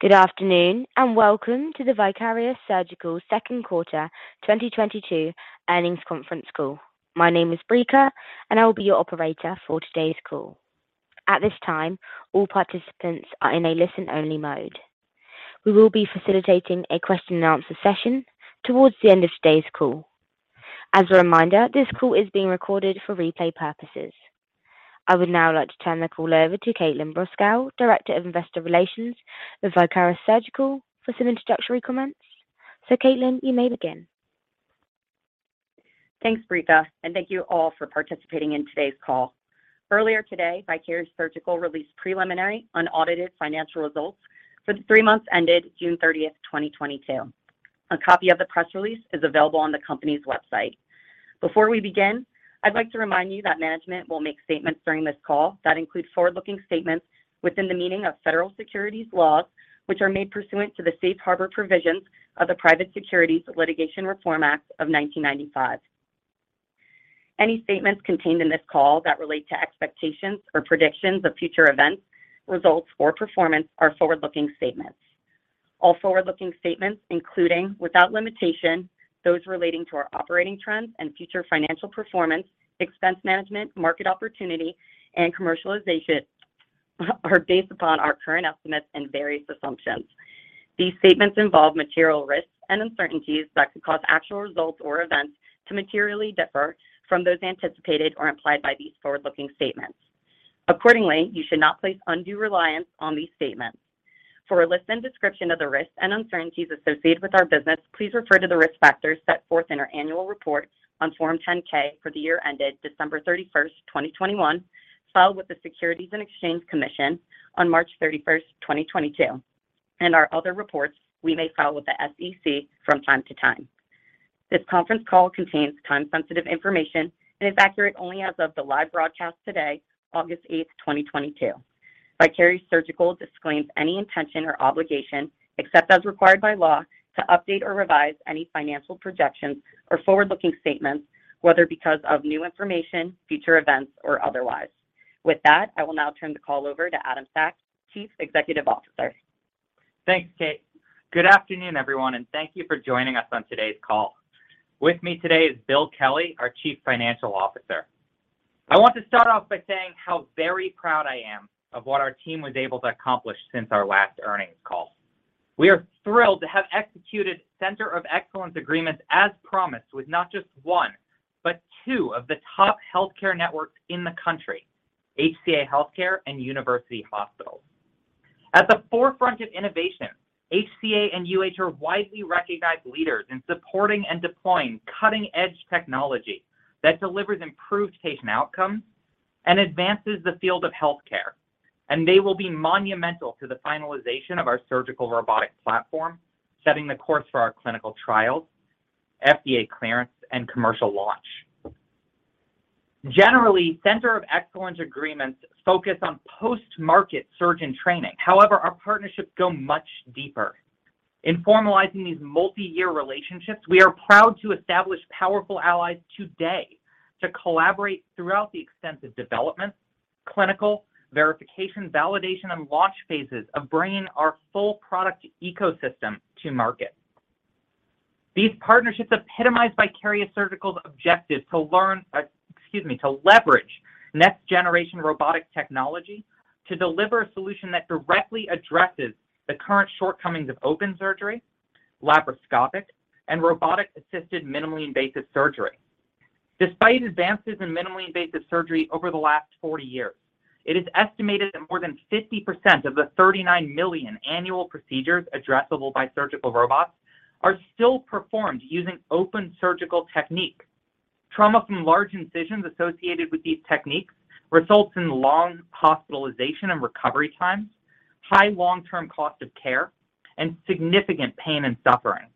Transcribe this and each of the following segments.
Good afternoon, and welcome to the Vicarious Surgical second quarter 2022 earnings conference call. My name is Breaka, and I will be your operator for today's call. At this time, all participants are in a listen-only mode. We will be facilitating a question and answer session towards the end of today's call. As a reminder, this call is being recorded for replay purposes. I would now like to turn the call over to Kaitlyn Brosco, Director of Investor Relations with Vicarious Surgical, for some introductory comments. Kaitlyn, you may begin. Thanks, Breaka, and thank you all for participating in today's call. Earlier today, Vicarious Surgical released preliminary unaudited financial results for the three months ended June 30, 2022. A copy of the press release is available on the company's website. Before we begin, I'd like to remind you that management will make statements during this call that include forward-looking statements within the meaning of federal securities laws, which are made pursuant to the Safe Harbor provisions of the Private Securities Litigation Reform Act of 1995. Any statements contained in this call that relate to expectations or predictions of future events, results, or performance are forward-looking statements. All forward-looking statements, including, without limitation, those relating to our operating trends and future financial performance, expense management, market opportunity, and commercialization are based upon our current estimates and various assumptions. These statements involve material risks and uncertainties that could cause actual results or events to materially differ from those anticipated or implied by these forward-looking statements. Accordingly, you should not place undue reliance on these statements. For a list and description of the risks and uncertainties associated with our business, please refer to the risk factors set forth in our annual report on Form 10-K for the year ended December 31, 2021, filed with the Securities and Exchange Commission on March 31, 2022, and our other reports we may file with the SEC from time to time. This conference call contains time-sensitive information and is accurate only as of the live broadcast today, August 8, 2022. Vicarious Surgical disclaims any intention or obligation, except as required by law, to update or revise any financial projections or forward-looking statements, whether because of new information, future events, or otherwise. With that, I will now turn the call over to Adam Sachs, Chief Executive Officer. Thanks, Kate. Good afternoon, everyone, and thank you for joining us on today's call. With me today is Bill Kelly, our Chief Financial Officer. I want to start off by saying how very proud I am of what our team was able to accomplish since our last earnings call. We are thrilled to have executed Center of Excellence agreements as promised with not just one, but two of the top healthcare networks in the country, HCA Healthcare and University Hospitals. At the forefront of innovation, HCA and UH are widely recognized leaders in supporting and deploying cutting-edge technology that delivers improved patient outcomes and advances the field of healthcare. They will be monumental to the finalization of our surgical robotic platform, setting the course for our clinical trials, FDA clearance, and commercial launch. Generally, Center of Excellence agreements focus on post-market surgeon training. However, our partnerships go much deeper. In formalizing these multi-year relationships, we are proud to establish powerful allies today to collaborate throughout the extensive development, clinical verification, validation, and launch phases of bringing our full product ecosystem to market. These partnerships epitomize Vicarious Surgical's objective to leverage next-generation robotic technology to deliver a solution that directly addresses the current shortcomings of open surgery, laparoscopic, and robotic-assisted minimally invasive surgery. Despite advances in minimally invasive surgery over the last 40 years, it is estimated that more than 50% of the 39 million annual procedures addressable by surgical robots are still performed using open surgical technique. Trauma from large incisions associated with these techniques results in long hospitalization and recovery times, high long-term cost of care, and significant pain and suffering.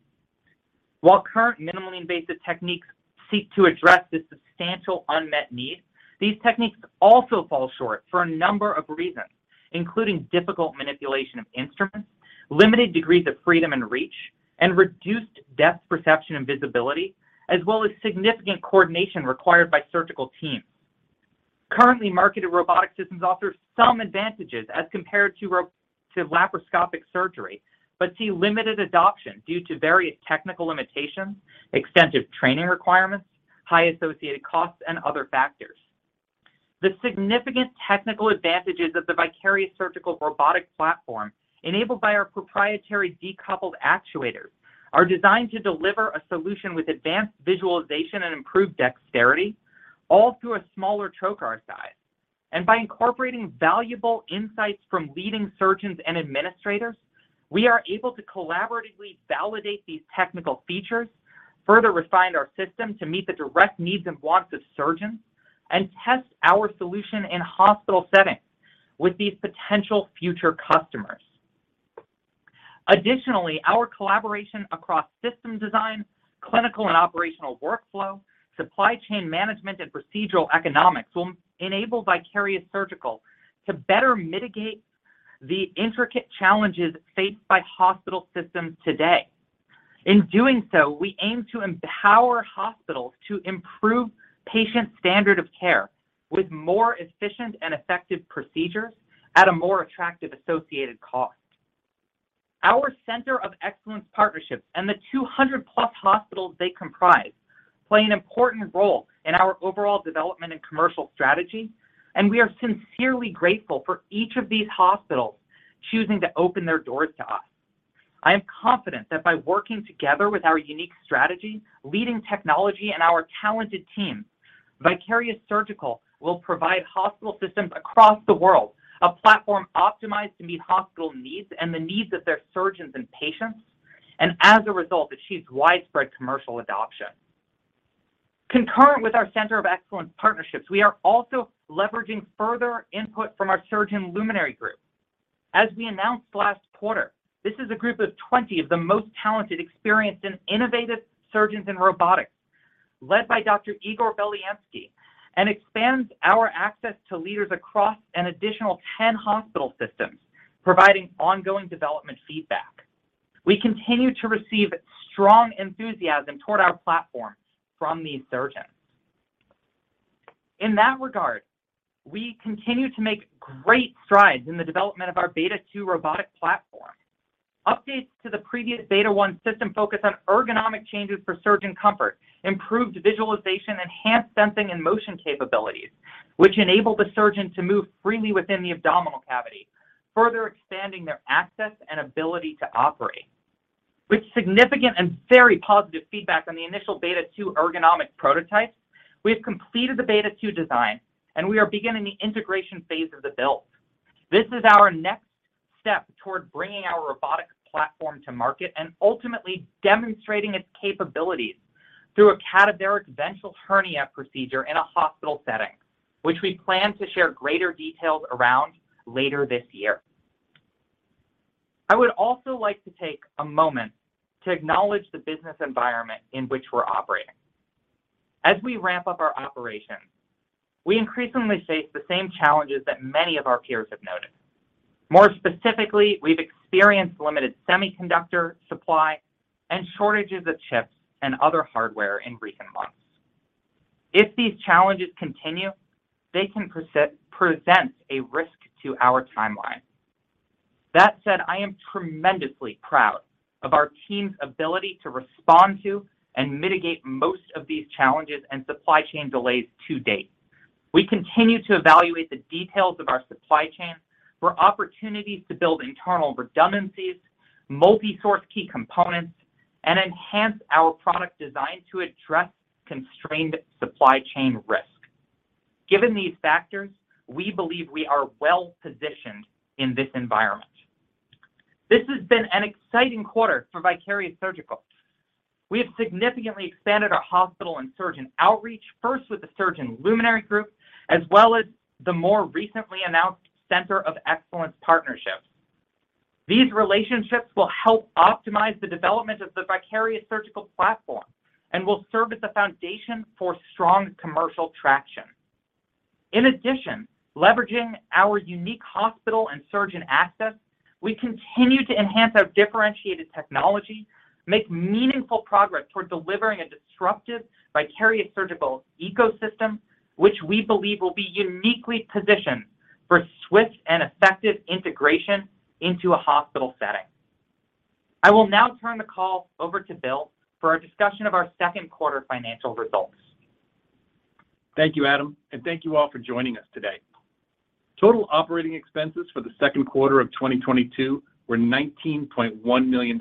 While current minimally invasive techniques seek to address this substantial unmet need, these techniques also fall short for a number of reasons, including difficult manipulation of instruments, limited degrees of freedom and reach, and reduced depth perception and visibility, as well as significant coordination required by surgical teams. Currently, marketed robotic systems offer some advantages as compared to laparoscopic surgery, but see limited adoption due to various technical limitations, extensive training requirements, high associated costs, and other factors. The significant technical advantages of the Vicarious Surgical robotic platform enabled by our proprietary decoupled actuators are designed to deliver a solution with advanced visualization and improved dexterity all through a smaller trocar size. By incorporating valuable insights from leading surgeons and administrators, we are able to collaboratively validate these technical features, further refine our system to meet the direct needs and wants of surgeons, and test our solution in hospital settings with these potential future customers. Additionally, our collaboration across system design, clinical and operational workflow, supply chain management, and procedural economics will enable Vicarious Surgical to better mitigate the intricate challenges faced by hospital systems today. In doing so, we aim to empower hospitals to improve patient standard of care with more efficient and effective procedures at a more attractive associated cost. Our Center of Excellence partnerships and the 200+ hospitals they comprise play an important role in our overall development and commercial strategy, and we are sincerely grateful for each of these hospitals choosing to open their doors to us. I am confident that by working together with our unique strategy, leading technology and our talented team, Vicarious Surgical will provide hospital systems across the world a platform optimized to meet hospital needs and the needs of their surgeons and patients, and as a result, achieve widespread commercial adoption. Concurrent with our Center of Excellence partnerships, we are also leveraging further input from our Surgeon Luminary Group. As we announced last quarter, this is a group of 20 of the most talented, experienced and innovative surgeons in robotics, led by Dr. Igor Belyansky, and expands our access to leaders across an additional 10 hospital systems, providing ongoing development feedback. We continue to receive strong enthusiasm toward our platform from these surgeons. In that regard, we continue to make great strides in the development of our Beta 2 robotic platform. Updates to the previous Beta 1 system focus on ergonomic changes for surgeon comfort, improved visualization, enhanced sensing and motion capabilities, which enable the surgeon to move freely within the abdominal cavity, further expanding their access and ability to operate. With significant and very positive feedback on the initial Beta 2 ergonomic prototypes, we have completed the Beta 2 design and we are beginning the integration phase of the build. This is our next step toward bringing our robotic platform to market and ultimately demonstrating its capabilities through a cadaveric ventral hernia procedure in a hospital setting, which we plan to share greater details around later this year. I would also like to take a moment to acknowledge the business environment in which we're operating. As we ramp up our operations, we increasingly face the same challenges that many of our peers have noted. More specifically, we've experienced limited semiconductor supply and shortages of chips and other hardware in recent months. If these challenges continue, they can present a risk to our timeline. That said, I am tremendously proud of our team's ability to respond to and mitigate most of these challenges and supply chain delays to date. We continue to evaluate the details of our supply chain for opportunities to build internal redundancies, multi-source key components, and enhance our product design to address constrained supply chain risk. Given these factors, we believe we are well-positioned in this environment. This has been an exciting quarter for Vicarious Surgical. We have significantly expanded our hospital and surgeon outreach, first with the Surgeon Luminary Group, as well as the more recently announced Center of Excellence partnerships. These relationships will help optimize the development of the Vicarious Surgical platform and will serve as a foundation for strong commercial traction. In addition, leveraging our unique hospital and surgeon access, we continue to enhance our differentiated technology, make meaningful progress toward delivering a disruptive Vicarious Surgical ecosystem, which we believe will be uniquely positioned for swift and effective integration into a hospital setting. I will now turn the call over to Bill for a discussion of our second quarter financial results. Thank you, Adam, and thank you all for joining us today. Total operating expenses for the second quarter of 2022 were $19.1 million,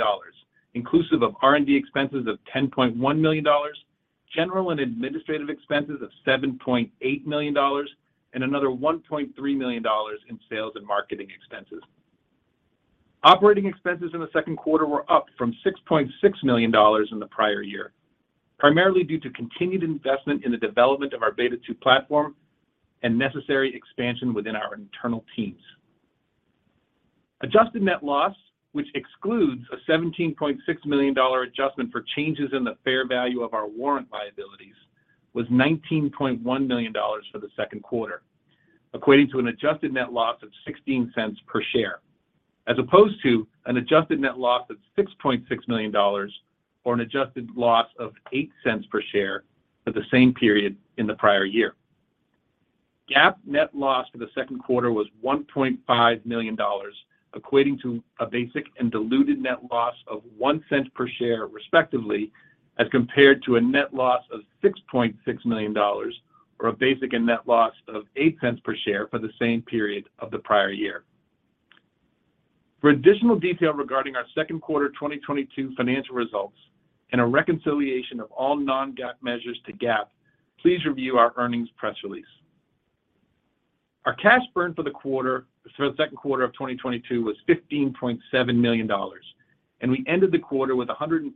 inclusive of R&D expenses of $10.1 million, general and administrative expenses of $7.8 million, and another $1.3 million in sales and marketing expenses. Operating expenses in the second quarter were up from $6.6 million in the prior year, primarily due to continued investment in the development of our Beta 2 platform and necessary expansion within our internal teams. Adjusted net loss, which excludes a $17.6 million adjustment for changes in the fair value of our warrant liabilities, was $19.1 million for the second quarter, equating to an adjusted net loss of $0.16 per share, as opposed to an adjusted net loss of $6.6 million or an adjusted net loss of $0.08 per share for the same period in the prior year. GAAP net loss for the second quarter was $1.5 million, equating to a basic and diluted net loss of $0.01 per share, respectively, as compared to a net loss of $6.6 million or a basic and diluted net loss of $0.08 per share for the same period of the prior year. For additional detail regarding our second quarter 2022 financial results and a reconciliation of all non-GAAP measures to GAAP, please review our earnings press release. Our cash burn for the quarter, for the second quarter of 2022 was $15.7 million, and we ended the quarter with $141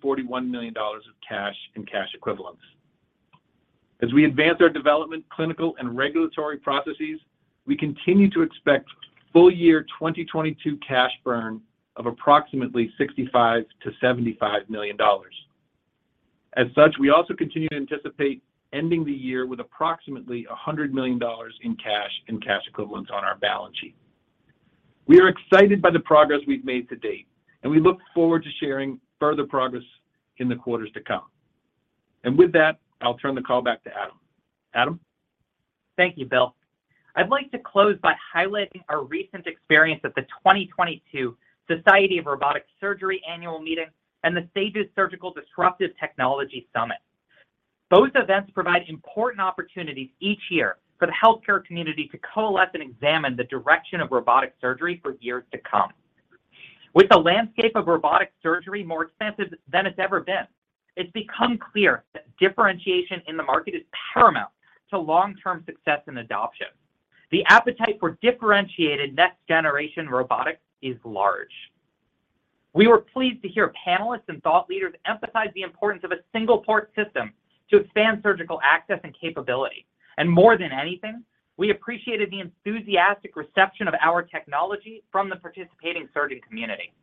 million of cash and cash equivalents. As we advance our development, clinical, and regulatory processes, we continue to expect full year 2022 cash burn of approximately $65 million-$75 million. As such, we also continue to anticipate ending the year with approximately $100 million in cash and cash equivalents on our balance sheet. We are excited by the progress we've made to date, and we look forward to sharing further progress in the quarters to come. With that, I'll turn the call back to Adam. Adam? Thank you, Bill. I'd like to close by highlighting our recent experience at the 2022 Society of Robotic Surgery Annual Meeting and the SAGES Surgical Disruptive Technology Summit. Both events provide important opportunities each year for the healthcare community to coalesce and examine the direction of robotic surgery for years to come. With the landscape of robotic surgery more expansive than it's ever been, it's become clear that differentiation in the market is paramount to long-term success and adoption. The appetite for differentiated next generation robotics is large. We were pleased to hear panelists and thought leaders emphasize the importance of a single port system to expand surgical access and capability. More than anything, we appreciated the enthusiastic reception of our technology from the participating surgeon community.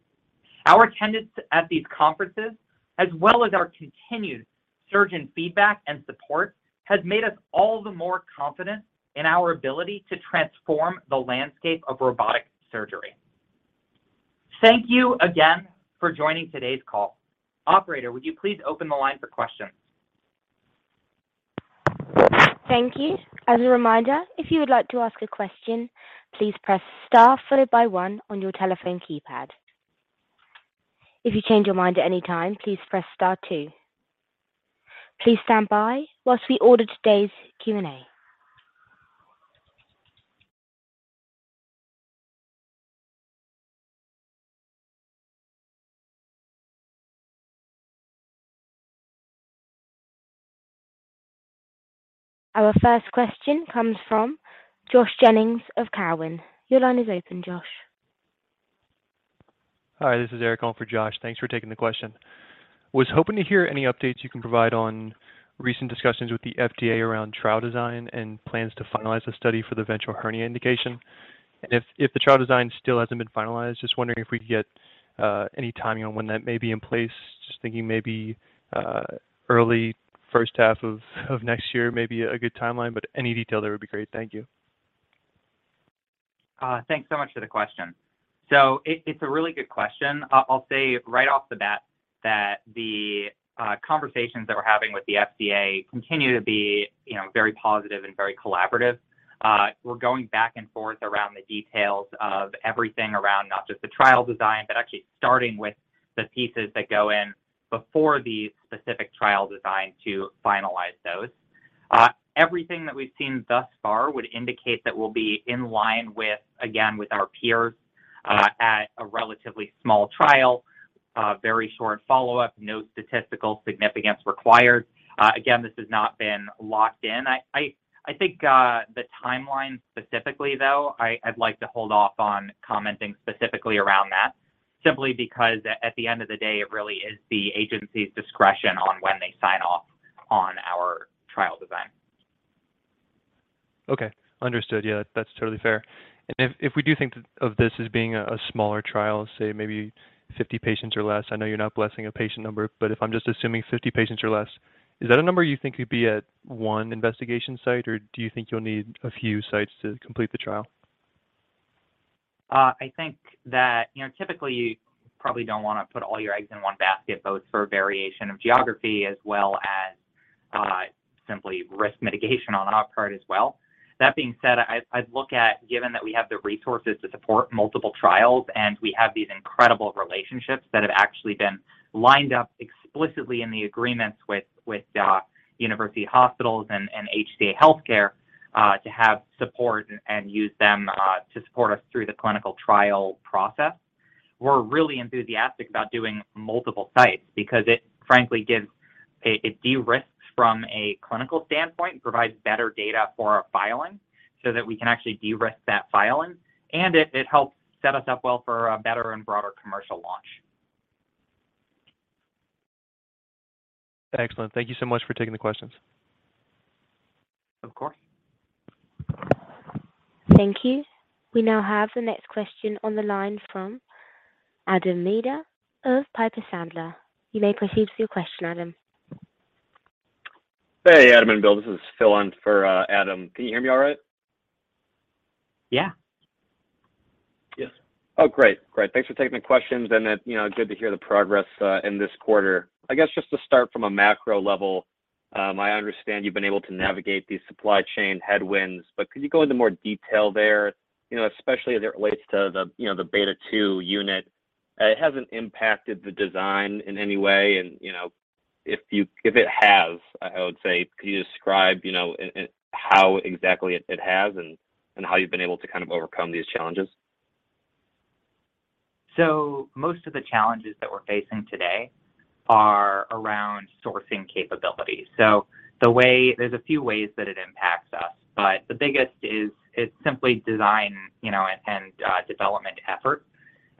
Our attendance at these conferences, as well as our continued surgeon feedback and support, has made us all the more confident in our ability to transform the landscape of robotic surgery. Thank you again for joining today's call. Operator, would you please open the line for questions? Thank you. As a reminder, if you would like to ask a question, please press star followed by one on your telephone keypad. If you change your mind at any time, please press star two. Please stand by while we order today's Q&A. Our first question comes from Josh Jennings of Cowen. Your line is open, Josh. Hi, this is Eric calling for Josh. Thanks for taking the question. Was hoping to hear any updates you can provide on recent discussions with the FDA around trial design and plans to finalize the study for the ventral hernia indication? If the trial design still hasn't been finalized, just wondering if we'd get any timing on when that may be in place. Just thinking maybe early first half of next year may be a good timeline, but any detail there would be great. Thank you. Thanks so much for the question. It's a really good question. I'll say right off the bat that the conversations that we're having with the FDA continue to be, you know, very positive and very collaborative. We're going back and forth around the details of everything around not just the trial design, but actually starting with the pieces that go in before the specific trial design to finalize those. Everything that we've seen thus far would indicate that we'll be in line with, again, with our peers, at a relatively small trial, very short follow-up, no statistical significance required. Again, this has not been locked in. I think the timeline specifically, though, I'd like to hold off on commenting specifically around that simply because at the end of the day, it really is the agency's discretion on when they sign off on our trial design. Okay. Understood. Yeah, that's totally fair. If we do think of this as being a smaller trial, say maybe 50 patients or less, I know you're not blessing a patient number, but if I'm just assuming 50 patients or less, is that a number you think you'd be at one investigation site, or do you think you'll need a few sites to complete the trial? I think that, you know, typically you probably don't wanna put all your eggs in one basket, both for variation of geography as well as, simply risk mitigation on our part as well. That being said, I'd look at given that we have the resources to support multiple trials and we have these incredible relationships that have actually been lined up explicitly in the agreements with University Hospitals and HCA Healthcare, to have support and use them to support us through the clinical trial process. We're really enthusiastic about doing multiple sites because it frankly gives. It de-risks from a clinical standpoint, provides better data for our filing so that we can actually de-risk that filing, and it helps set us up well for a better and broader commercial launch. Excellent. Thank you so much for taking the questions. Of course. Thank you. We now have the next question on the line from Adam Maeder of Piper Sandler. You may proceed with your question, Adam. Hey, Adam and Bill. This is Phil in for Adam. Can you hear me all right? Yeah. Yes. Oh, great. Great. Thanks for taking the questions and, you know, good to hear the progress in this quarter. I guess just to start from a macro level, I understand you've been able to navigate these supply chain headwinds, but could you go into more detail there, you know, especially as it relates to the, you know, the Beta two unit? It hasn't impacted the design in any way and, you know, if it has, I would say could you describe, you know, how exactly it has and how you've been able to kind of overcome these challenges? Most of the challenges that we're facing today are around sourcing capabilities. There's a few ways that it impacts us, but the biggest is it's simply design, you know, and development effort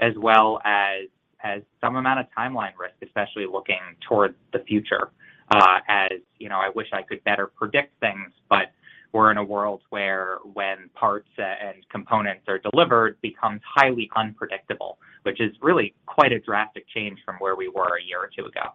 as well as some amount of timeline risk, especially looking towards the future. As you know, I wish I could better predict things. We're in a world where when parts and components are delivered becomes highly unpredictable, which is really quite a drastic change from where we were a year or two ago.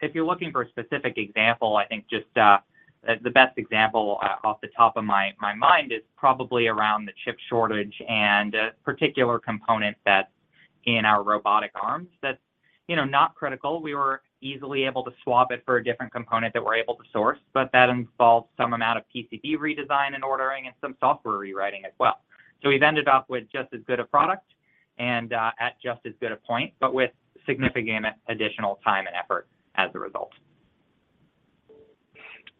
If you're looking for a specific example, I think just the best example off the top of my mind is probably around the chip shortage and a particular component that's in our robotic arms that's, you know, not critical. We were easily able to swap it for a different component that we're able to source, but that involves some amount of PCB redesign and ordering and some software rewriting as well. We've ended up with just as good a product and at just as good a point, but with significant additional time and effort as a result.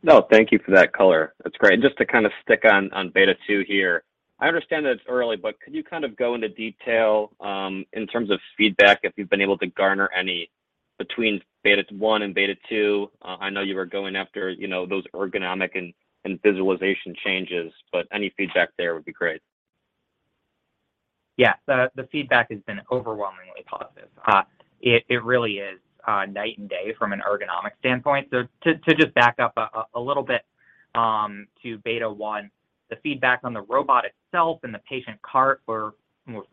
No, thank you for that color. That's great. Just to kind of stick on Beta two here. I understand that it's early, but could you kind of go into detail in terms of feedback, if you've been able to garner any between Beta one and Beta two? I know you were going after, you know, those ergonomic and visualization changes, but any feedback there would be great. Yeah. The feedback has been overwhelmingly positive. It really is night and day from an ergonomic standpoint. To just back up a little bit, to Beta 1, the feedback on the robot itself and the patient cart were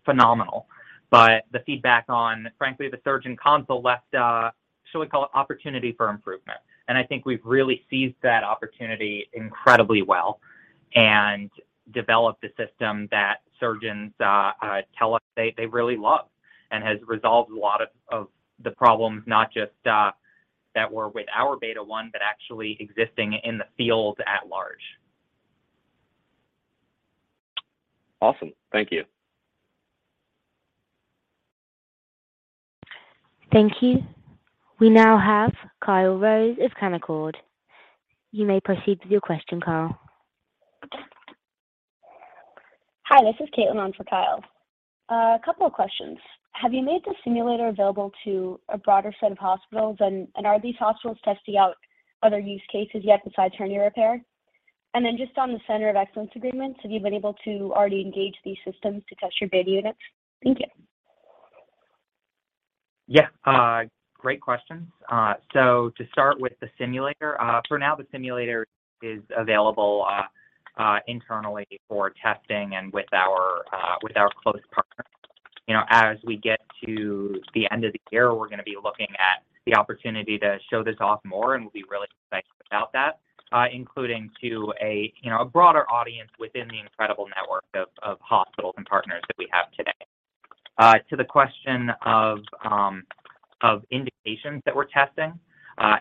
phenomenal. The feedback on, frankly, the surgeon console left a, shall we call it, opportunity for improvement. I think we've really seized that opportunity incredibly well and developed a system that surgeons tell us they really love and has resolved a lot of the problems, not just that were with our Beta 1, but actually existing in the field at large. Awesome. Thank you. Thank you. We now have Kyle Rose of Canaccord Genuity. You may proceed with your question, Kyle. Hi, this is Caitlin on for Kyle. A couple of questions. Have you made the simulator available to a broader set of hospitals? Are these hospitals testing out other use cases yet besides hernia repair? Just on the Center of Excellence agreements, have you been able to already engage these systems to test your beta units? Thank you. Yeah. Great questions. To start with the simulator, for now, the simulator is available internally for testing and with our close partners. You know, as we get to the end of the year, we're gonna be looking at the opportunity to show this off more, and we'll be really excited about that, including to a you know, a broader audience within the incredible network of hospitals and partners that we have today. To the question of indications that we're testing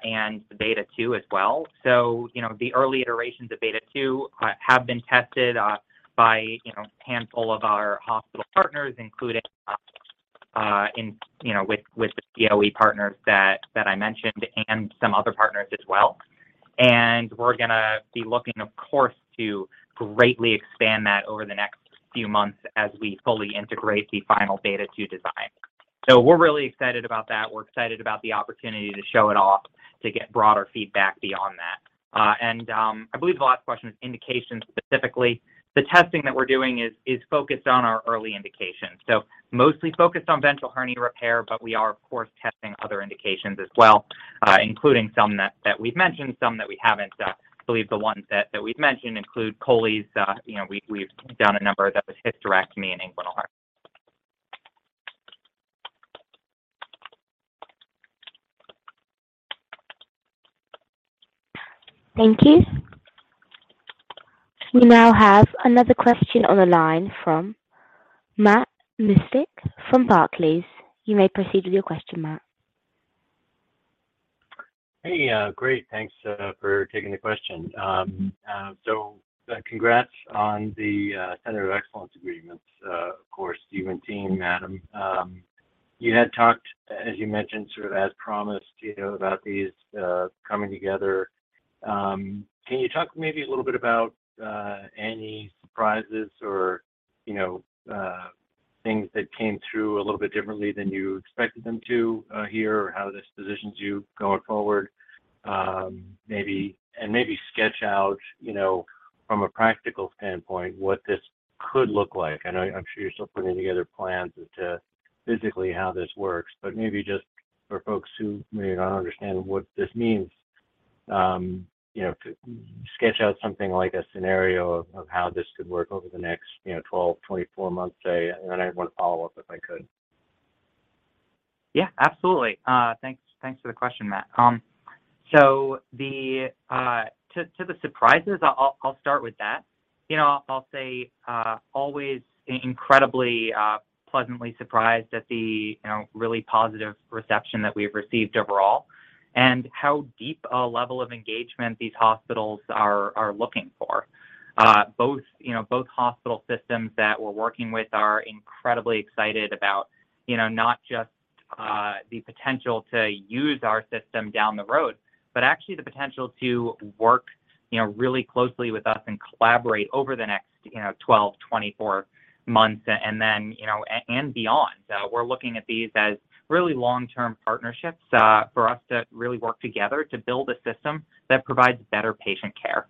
and the Beta 2 as well. You know, the early iterations of Beta 2 have been tested by you know, a handful of our hospital partners, including in you know, with the COE partners that I mentioned and some other partners as well. We're gonna be looking, of course, to greatly expand that over the next few months as we fully integrate the final Beta 2 design. We're really excited about that. We're excited about the opportunity to show it off to get broader feedback beyond that. I believe the last question is indications specifically. The testing that we're doing is focused on our early indications, mostly focused on ventral hernia repair, but we are, of course, testing other indications as well, including some that we've mentioned, some that we haven't. We believe the ones that we've mentioned include cholecystectomy, you know, we've done a number of the hysterectomy and inguinal. Thank you. We now have another question on the line from Matt Miksic from Barclays. You may proceed with your question, Matt. Great. Thanks for taking the question. So congrats on the Center of Excellence agreements, of course, you and team, Adam. You had talked, as you mentioned, sort of as promised, you know, about these coming together. Can you talk maybe a little bit about any surprises or, you know, things that came through a little bit differently than you expected them to or how this positions you going forward? Maybe sketch out, you know, from a practical standpoint, what this could look like. I know I'm sure you're still putting together plans as to physically how this works, but maybe just for folks who maybe don't understand what this means, you know, to sketch out something like a scenario of how this could work over the next, you know, 12-24 months, say. Then I have one follow-up, if I could. Yeah, absolutely. Thanks for the question, Matt. So the surprises, I'll start with that. You know, I'll say always incredibly pleasantly surprised at the, you know, really positive reception that we've received overall and how deep a level of engagement these hospitals are looking for. Both, you know, hospital systems that we're working with are incredibly excited about, you know, not just the potential to use our system down the road, but actually the potential to work, you know, really closely with us and collaborate over the next, you know, 12, 24 months and then, you know, and beyond. We're looking at these as really long-term partnerships, for us to really work together to build a system that provides better patient care.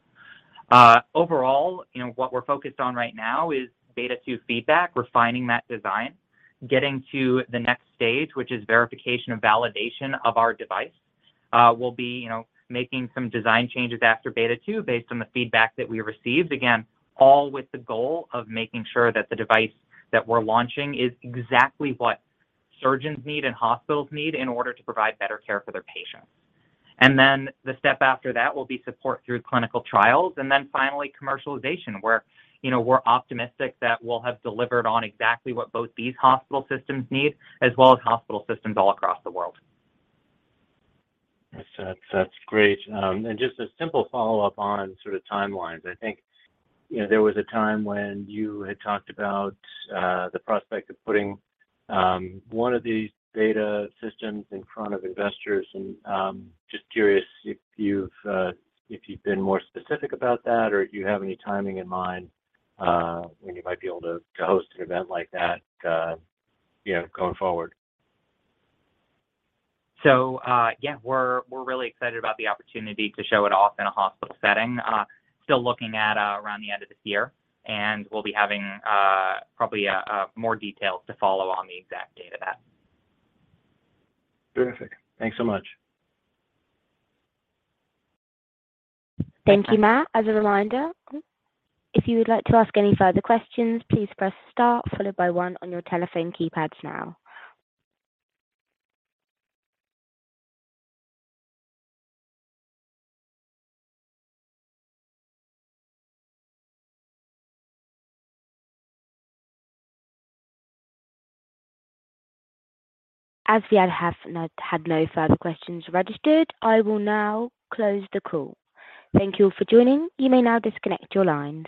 Overall, you know, what we're focused on right now is Beta 2 feedback, refining that design, getting to the next stage, which is verification and validation of our device. We'll be, you know, making some design changes after Beta 2 based on the feedback that we received. Again, all with the goal of making sure that the device that we're launching is exactly what surgeons need and hospitals need in order to provide better care for their patients. Then the step after that will be support through clinical trials and then finally commercialization, where, you know, we're optimistic that we'll have delivered on exactly what both these hospital systems need as well as hospital systems all across the world. That's great. Just a simple follow-up on sort of timelines. I think, you know, there was a time when you had talked about the prospect of putting one of these beta systems in front of investors and just curious if you've been more specific about that or do you have any timing in mind when you might be able to host an event like that, you know, going forward? Yeah, we're really excited about the opportunity to show it off in a hospital setting. Still looking at around the end of this year, and we'll be having probably more details to follow on the exact date of that. Terrific. Thanks so much. Thank you, Matt Miksic. As a reminder, if you would like to ask any further questions, please press star followed by one on your telephone keypads now. As we have not had no further questions registered, I will now close the call. Thank you all for joining. You may now disconnect your lines.